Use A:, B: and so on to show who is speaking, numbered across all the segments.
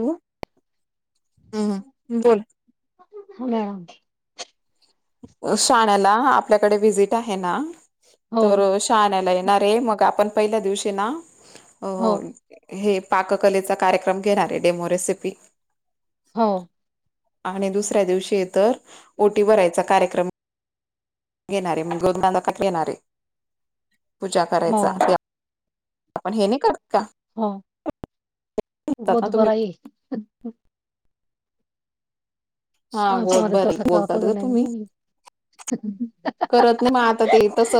A: हो ह ह बोल.
B: हो मॅडम.
A: शण्याला आपल्याकडे वजिट आहे ना.
B: हो
A: तर शाण्याला येणार रे. मग आपण पहिल्या दिवशी ना. अ
B: हो
A: हे पाककलेचा कार्यक्रम घेणारे. Demo recipe.
B: हो.
A: आणि दुसऱ्या दिवशी तर, ओटी भरायचा कार्यक्रम घेणारे. म गरुनाला पण घेणारे. पूजा
B: हो
A: करायचा. ते पण हे नाही करत.
B: हो.
A: काात ना तुम्ही
B: गोदबराईये.
A: हा
B: आमच्या
A: गोद
B: मध्ये
A: भराई बोलतात ग तुम्ही
B: तो [unintelligible]
A: करत नाही. मग आता ते तस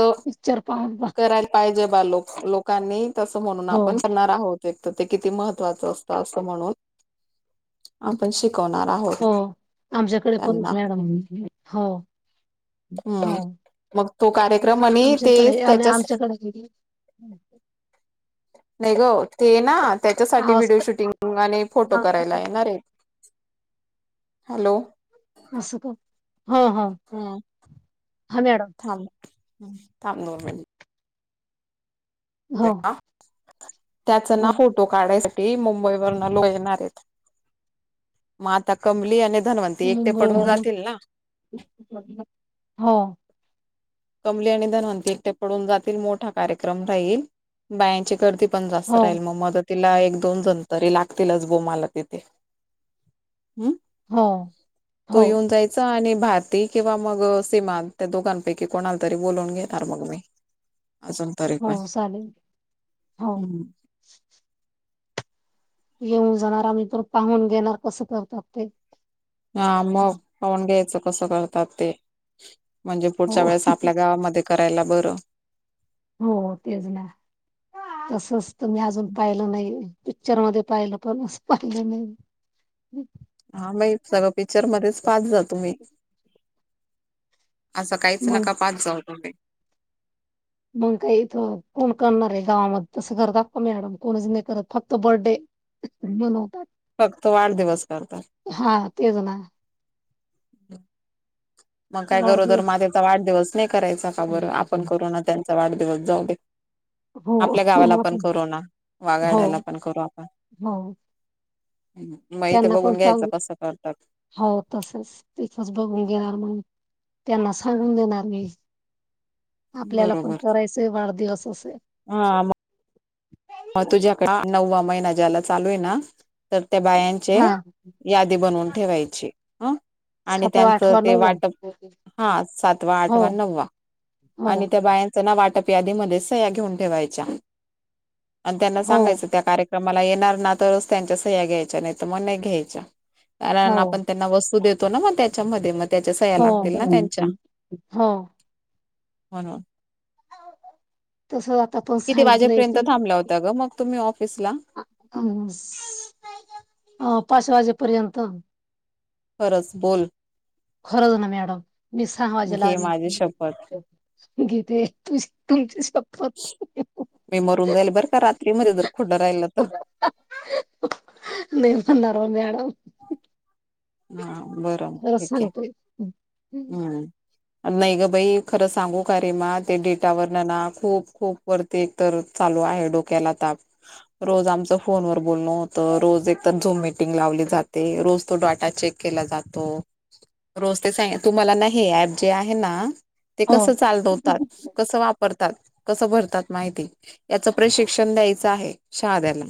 B: पाहून पा
A: करायला पाहिजे बा. लोक लोकांनी. तसं म्हणून
B: हो
A: आपण करणार आहोत. एक तर ते किती महत्त्वाचं असतं. असं म्हणून. आपण शिकवणार आहोत.
B: हो आमच्याकडे पण
A: त्यांना
B: मॅडम [unintelligible] हो हो
A: ह. मग तो कार्यक्रम आणि ते
B: आमच्याकडे आणि
A: त्याच्यास
B: आमच्याकडे
A: नाही ग. ते ना. त्याच्यासाठी
B: आवाज
A: व्हिडिओ शूटिंग आणि फोटो
B: हा
A: करायला येणारे. हॅलो.
B: अस का? ह, ह.
A: हम्म
B: हा मॅडम.
A: थांब थांब दोन मिनिट
B: हो
A: त्याच ना,
B: हो
A: फो तो काढायसाठी मुंबई वरण लोक येणार आहेत माता कमली आणि धनवंती एकटे पडून
B: मुंबईवरून
A: जातील ना
B: हो.
A: कमली आणि धनवंती एकटे पडून जातील मोठा कार्यक्रम राहील बायांची गर्दी पण जास्त राहिल
B: हो
A: मग मदतीला एक दोनजण तरी लागतीलच गोमाला तिथे हम्.
B: हो
A: तो
B: हो
A: येऊन जायचा आणि भारती किंवा मग सिमा त्या दोघांपैकी की कोणाला तरी बोलून घेेणार मग मी अजून तरी पण
B: हो चालेल हो
A: हम्म
B: येऊन जाणार आम्ही तर पाहून घेणार कसं करतात ते.
A: हा मग पाहुन घ्यायचं कसं करतात ते म्हणजे पुढच्या
B: हो
A: वेळेस आपल्या गावामध्ये करायला बरं.
B: हो तेच ना. तसच तूम्ही अजून पाहिलं नाही पिक्चर मध्ये पाहिलं पण पाहिलं नाही ह [unintelligible] [inaudible]
A: हा बई सगळं पिक्चर मध्येच पादल तूम्ही असं काहीच
B: मग
A: नका पाहत जाऊ तुम्ही
B: मग काही ईथ कोण करणार आहे गावामध्ये तसं घर दाखवा मॅडम कोणीच नाही करत फक्त बर्थडे बनवतात.
A: फक्त वाढदिवस करतात.
B: हा तेच ना.
A: हम [unintelligible] मग काय गरोदर
B: वाढदिवस
A: मात्याचा वाढदिवस नाही करायचा का बरं आपण
B: हो
A: करू ना त्यांचा वाढदिवस जाऊ दे. आपल्या गावाला
B: हो
A: पण
B: आपण-
A: करू ना
B: हो
A: वागाड्याला पण करू आपण
B: हो
A: ह् [inaudible]
B: त्यांना पण चांगल हो तसच तिथच बघून घेणार मग त्यांना सांगून देणार मी आपल्याला पण करायचंय वाढदिवस असे
A: हा हा म मग तुझ्याकडे नव्वा महिना ज्याला चालू आहे ना तर त्या बायां चे
B: हा
A: यादी बनवून ठेवायची ह आणि
B: सातवा
A: त्यांच
B: आठवा
A: ते
B: नववा
A: वाटप हा सातवा
B: हो
A: आठवा नववा
B: हो
A: आणि त्या बाया च ना वाटप यादी मध्ये सह्या घेऊन ठेवायच्या. आणि त्यांना
B: हो
A: सांगायचं त्या कार्यक्रमाला येणार ना तरच त्यांच्या सह्या घ्यायच्या नाही तर मग नाही घ्यायच्या.
B: हो
A: कारण आपण त्यांना वस्तू देतो ना मग त्याच्यामध्ये म त्याच्या सह्या
B: हो
A: लागतील ना त्यांच्या
B: हो
A: म्हणून
B: तसं आता पण
A: किती
B: सांगितलंय
A: वाजेपर्यंत थांबल्या होता ग मग तुम्ही ऑफिस ला?
B: आम्ही स अ पाच वाजेपर्यंत.
A: खरंच बोल
B: खरंच ना मॅडम मी सहा वाजायला
A: घे
B: आली.
A: माझी शपथ
B: घेते तुम तुमची शप्पथ
A: मी मरून जाईल बरं का रात्रीमध्ये जर खोडं राहिलं तर
B: नाही मरणार ओ मॅडम.
A: हा बरं
B: खरंच
A: ओके
B: सांगतोय
A: हम्. नाही ग बाई खरं सांगू का रेमा ते डेटावर ना ना खूप खूप वरती ते एक तर चालू आहे डोक्याला ताप. रोज आमच फोनवरर बोलण होत रोज एक तर झूम मिटिंग लावली जाते रोज तो डॉ चेक केला जातो रोज ते स तुम्हाला ना हे ऍप जे आहे ना ते
B: हो
A: कसं चालवतात कसं वापरतात कसं भरतात माहिती याच प्रशिक्षण द्यायचं आहे शहाद्याला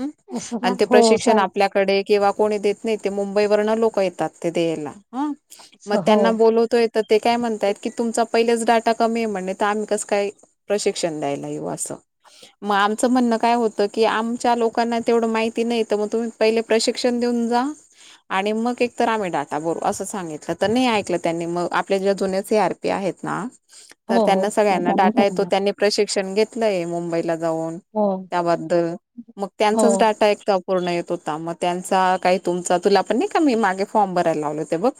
A: ह
B: असं का
A: आणि ते
B: हो
A: प्रशिक्षण
B: चालतंय
A: आपल्या कडे किंवा कोणी देत नाही ते मुंबई वरन लोक येतात ते देयाला ह मग त्यांना बोलवतोय. ते काय म्हणतायत की तुमचा पहिलेच डाटा कमी आहे म्हणे तर आम्ही कसं काय प्रशिक्षण द्यायला यु असं. मग आमचं म्हणणं काय होतं की आमच्या लोकांना तेवढं माहिती नाही तर मग तुम्ही पहिले प्रशिक्षण देऊन जा. आणि मग एक तर आम्ही डाटा बरू असं सांगितलं तर नाही ऐकलं त्यांनी मग आपल्या ज्या जुन्याचे आर प ते आहेत ना, तर त्यांना
B: हो हो
A: सगळ्यांना डाटा
B: हो
A: येतो त्यांनी प्रशिक्षण घेतलंय मुंबईला जाऊन त्याबद्द मग
B: हो
A: त्यांचाच डाटा एक पूर्ण येत होता मग त्यांचा काही तुमचा तुला पण नाही कामी मागे फॉर्म भरायला लावले ते बघ.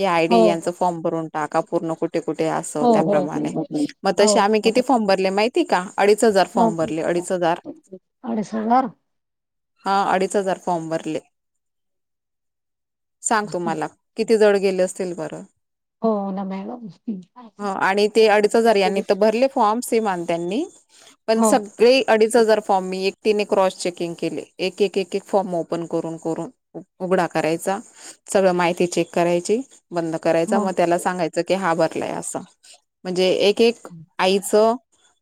A: या आयडी यांचं
B: हो
A: फॉर्म भरून टाका पूर्ण कुठे कुठे असं
B: हो हो
A: त्याप्रमाणे. मग तशे
B: हो
A: आम्ही किती फॉर्म भरले माहिती का? अडीच हजार
B: हो हो
A: फॉर्म भरले अडीच हजार.
B: अडीच हजार
A: हा अडीच हजार फॉर्म भरले. सांग तुम्हाला, किती जड गेले असतील बरं.
B: हो ना मॅडम.
A: ह आणि ते अडीच हजार यांनी
B: हम्म.
A: तर भरले. फॉम सिमान त्यांनी, पण
B: हो
A: स गळी अडीच हजार फॉर्म मी एकटीने क्रॉस चेकिंग केले एक एक एक फॉर्म ओपन करून करून. उघडा करायचा सगळं माहिती चेक करायची बंद करायचा
B: हो
A: मग त्याला सांगाय च की हा बरलाय असा, म्हणजे एक एक आईच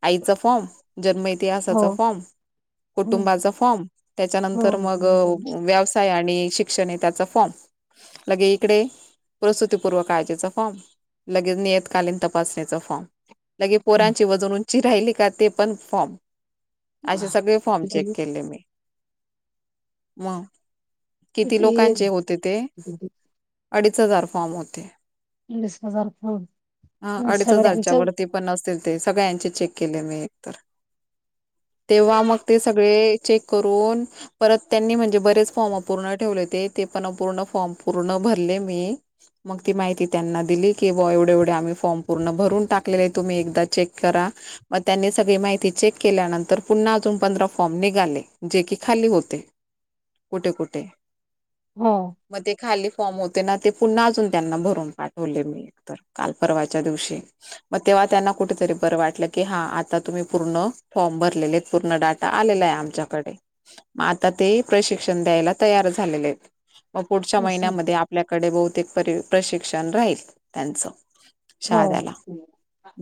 A: आईचा फॉर्म जन्मय ते
B: हो
A: आसाचा फॉर्म,
B: हम्म
A: कुटुंबाचा फॉर्म त्याच्यानंतर
B: हो.
A: मग व तय आणि शिक्षणे त्याचा फॉर्म. लगे इकडे प्रस्तुतीपूर्व काळजीच फॉर्म. लगेच नियतकालीन तपासणीचं फॉर्म. लगे
B: हम्म.
A: पोरांची वजून उंची राहिली का ते पण फॉर्म. अशे
B: बाप.
A: सगळे फॉर्म चेक केले मी, मग. किती लोकांचे होते ते, अडीच हजार फॉर्म होते.
B: वीस हजार
A: हा
B: प
A: अडीच हजारच्या
B: सगळ्यांचं.
A: वरती पण असतील ते सगळ्यांचे चेक केले मी एक तर. तेव्हा मग ते सगळे चेक करून. परत त्यांनी म्हणजे बरेच फॉर्म अपूर्ण ठेवले होते ते पण अपूर्ण फॉर्म पूर्ण भरले मी. मग ती माहिती त्यांना दिली की ब एवढे एवढे आम्ही फॉर्म पूर्ण भरून टाकलेले आहे तुम्ही एकदा चेक करा. मग त्यांनी सगळी माहिती चेक केल्यानंतर पुन्हा अजून पंधरा फॉर्म निघाले जे की खाली होते. कुठे कुठे.
B: हो.
A: मग ते खाली फॉर्म होते ना ते पुन्हा अजून त्यांना भरून पाठवले मी. तर काल परवाच्या दिवशी. मग तेव्हा त्यांना कुठेतरी बर वाटलं की हा आता तुम्ही पूर्ण फॉर्म भरलेले पूर्ण डा टा आलेल आहे आमच्याकडे, मग आता ते प्रशिक्षण द्यायला तयारच झालेले आहेत, मग पुढच्या
B: असं
A: महिन्यामध्ये आप आपल्याकडे बहुतेक प्र प्रशिक्षण राहील त्यांच,
B: हो.
A: शहाद्याला.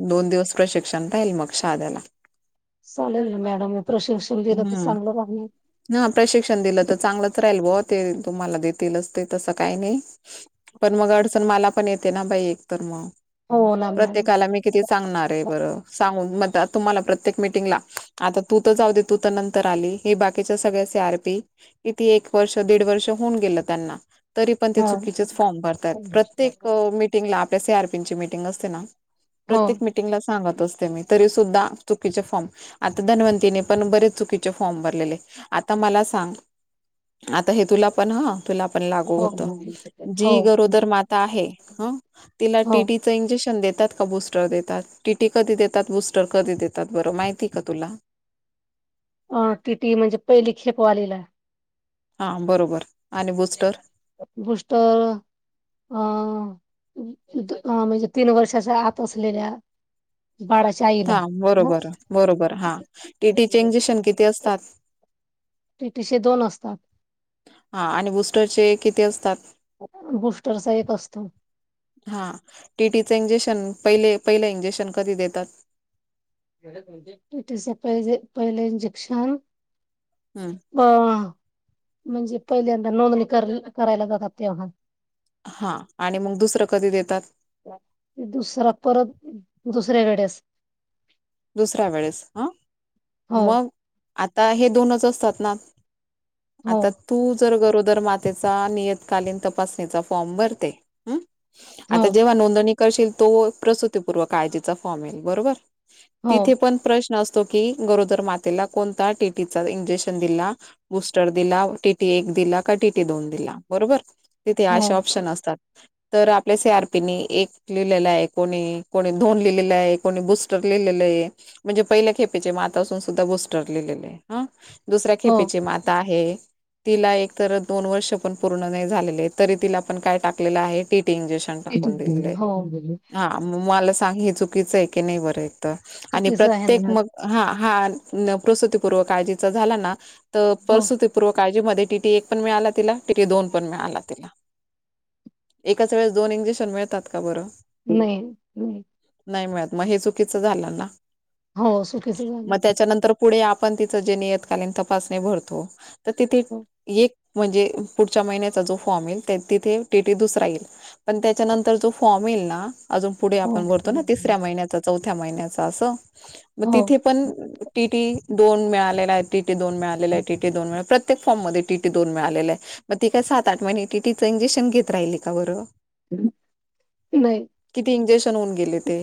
A: दोन दिवस प्रशिक्षण राहील मग शाध्याला.
B: चालेल ना मॅडम मी प्रशिक्षण दलं तर
A: हम्म
B: चांगलं [unintelligible]
A: त्राईल बो ते तुम्हाला देतीलच ते तसं काही नाही. पण मग अडचण मला पण येते ना बाई एकतर मग,
B: हो ना मॅडम
A: प्रत्येकाला मी किती सांगणार आहे बरं सांगून [unintelligible] तुम्हाला प्रत्येक मिटिंगला आता तू तर जाऊ दे तू तर नंतर आली. हे बाकीच्या सगळ्या सी आर पी किती एक वर्ष दीड वर्ष होऊन गेलं त्यांना. तरी पण ते
B: हो.
A: चुकीचेच फॉर्म भरतायेत
B: हो
A: प्रत्येक म मिटींगला आपल्या सी आर पिंचे मीटिंग असते ना,
B: हो
A: प्रतेक मि मिटींगला सांगत असते मी तरी सुद्धा चुकीचे फॉर्म आता धनवंतीने पण बरेच चुकीचे फॉर्म भरलेले, आता मला सांग? आता हे तुला पण हं. तुला पण लागू होत, जी गरोदर माता आहे. हं, तिला
B: हो
A: टी टी च इंजेक्शन देतात का बूस्टर देतात, टीटी कधी देतात, बूस्टर कधी देतात, बरं माहिती का तुला?
B: अ टिटि म्हणजे पहिली खेप वालीला.
A: हां बरोबर, आणि बुस्टर?
B: बुस्ट आ, म्हणजे तीन वर्षाच्या आत असलेल्या बाडाच्या आई
A: हा बरोबर -बरोबर हा, टीटीचे एंजेक्शन किती असतात?
B: टीटीशे दोन असतात.
A: हा, आणि बूस्टरचे किती असतात?
B: बुस्टरचा एक असतो.
A: हा टीटीच इंजेक्शन पहिले- पहिला इंजेक्शन कधी देतात?
B: [unintelligible] टिटीच पहिजे- पहिल इंजक्शन,
A: हम्म
B: व, म्हणजे पहिल्यांदा नोंदणी कर- करायला जातात तेव्हा.
A: हा आणि मग दुसरं कधी देतात?
B: [unintelligible] दुसर परत दुसऱ्यावेडेस.
A: दुसऱ्या वेळेस हं,
B: हो,
A: मग आता हे दोनच असतात ना.
B: हो,
A: आता तू जर गरोदर मातेचा नियतकालीन तपासणीचा फॉर्म भरते. हम्म,
B: हो,
A: आता जेव्हा नोंदणी करशील तो प्रसुतीपूर्व काळजीचा फॉर्म येईल. बरोबर?
B: हो,
A: तिथे पण प्रश्न असतो की, गरोदर मातेला कोणता टीटीचा इंजेक्शन दिला? बुस्टर दिला, टीटी एक दिला, का टीटी दोन दिला, बरोबर? तिथे
B: हो,
A: अशे ऑप्शन असतात. तर आपल्या सी आर पी नी एक लिहिलेला आहे, कोणी -कोणी दोन लिहिलेला आहे, कोणी बुस स्टर लिहिलेलेय, म्हणजे पहिल्या खेपेच्या मातांसून सुद्धा बुस्टर लिहिलेलेय. हं, दुसऱ्या
B: हो.
A: खेपेची माता आहे. तिला एक तर दोन वर्ष पण पूर्ण नाही झालेले, तरी तिला पण काय टाकलेलं आहे टीटी इंजेक्श क्शन टाकून दिलेलेय.
B: टीटी- हो,
A: हा आ, मला सांग हे चुकीचं आहे की नाही बरं इथं, आणि
B: चुकीचं आहे
A: प्रत्येक
B: ना.
A: मग हा -हा प्रसुतीपूर्व काळजीचा झाला ना त
B: हो,
A: -पसुती पूर्व काळजी मध्ये टीटी एक पण मिळाला तिला, टीटी दोन पण मिळाला तिला. एकच वेळेस दोन इंजेक्शन मिळतात का बरं?
B: नाही -नाही.
A: नाही मिळत, मग हे चुकीचं झालं ना?
B: हो, चुकीचं झालं.
A: मग त्याच्यानंतर पुढे आपण तिचं जे नियतकालीन तपासणी भरतो, तर तिथे
B: हो,
A: एक म्हणजे पुढच्या महिन्याचा जो फॉर्म येईल तिथे टीटी दुसरा येईल. पण त्याच्यानंतर जो फॉर्म येईल ना, ऋटअजून पुढे आपण भरतो ना
B: हो.
A: तिसऱ्या महिन्यात. चौथ्या महिन्याचा असं मग
B: हो.
A: तिथे पण टीटी दोन मिळालेलाय, टीटी दोन मिळालेलाय, टीटी दोन मिळालेलाय प्रत्येक फॉर्म मध्ये टीटी दोन मिळालेलाय. मग ती काय सात, आठ महिने टीटीचं इंजेक्शन घेत राहिल का बरं?
B: [inaudible] नाही
A: किती इंजेक्शन होऊन गेले ते?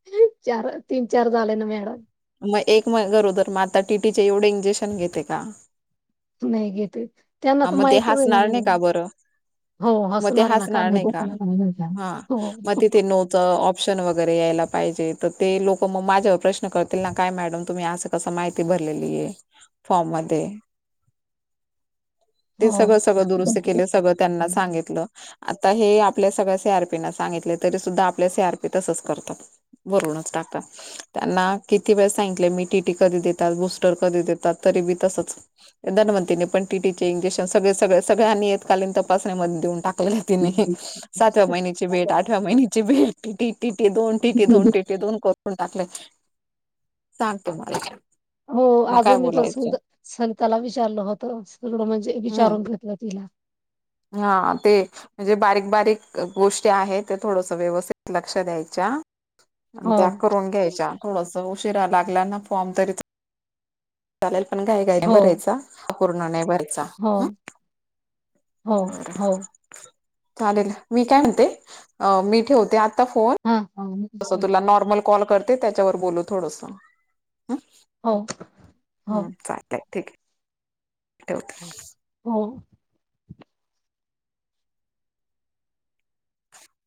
B: [inaudible] चार अ तीन, चार झाले ना मॅडम.
A: मग एक मग गरोदरमाता टीटीचे एवढे इंजेक्शन घेते का?
B: नाही घेतेत त्यांना
A: हा
B: तर
A: मग ते
B: माहितच हाय ना
A: हसणार नाही
B: मॅडम.
A: का बरं
B: हो, हसणार ना का नाही [unintelligible] का हो [inaudible]
A: त, ऑप्शन वगैरे यायला पाहिजे तर ते लोक मग माझ्यावर प्रश्न कर ती ना काय मॅडम तुम्ही अस कस माहिती भरलेली फॉममध्ये. ते
B: हो.
A: सगळं सगळं दुरुस्त केलं सगळं त्यांना सांगितलं आता हे आपल्या सगळ्या सी आर पी ना सांगितले तरी सुद्धा आपल्या सी आर पी तसंच करतात. वरूनच टाकतात. त्यांना किती वेळ सांगितले मी टी टी कधी देतात बूस्टर कधी देतात तरी बी तसंच. धनवंतीने पण टी टी चे इंजेशन सगळे सगळे सगळ्यांनी यतकालीन तपासण्यामध्ये देऊन टाक ले तिनी सातव्या महिन्याची भेट, आठव्या महिन्याची भेट, टी दोन टिटी दोन टिटी दोन कर रुन टाकलेय सांग तु मला.
B: हो अजून मी पण संता संताला विचारलं होत सगळं म्हणजे
A: हम्म
B: विचारून घेतलं तिला
A: हा ते म्हणजे बारीक बारीक गोष्टी आहेत त्या थोडस व्यवस्थित लक्ष द्यायच्या आणि
B: हो,
A: त्या करून घ्यायच्या, थोडस उशिरा लागल्या ना फोर्म तरी चा लेल पण घाई घाईने नाही
B: हो,
A: भरायचा, अपूर्ण नाही भरायचा
B: हो,
A: हा.
B: हो,
A: बर,
B: हो.
A: चालेल मी काय म्हणते अह मी ठेवते आ ता फोन,
B: हां, हां.
A: तसं तुला नॉर्मल कॉल करते त्याच्यावर बोलू थोडस, हा
B: हो, हो,
A: हा चा [unintelligible] ठीक आहे. ठेवते.
B: हो.